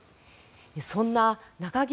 そんな中銀